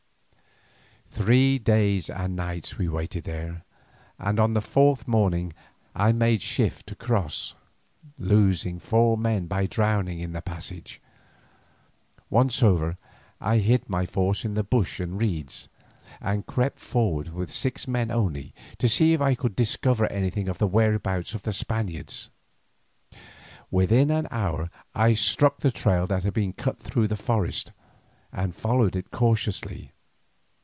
Three days and nights we waited there, and on the fourth morning I made shift to cross, losing four men by drowning in the passage. Once over, I hid my force in the bush and reeds, and crept forward with six men only, to see if I could discover anything of the whereabouts of the Spaniards. Within an hour I struck the trail that they had cut through the forest, and followed it cautiously.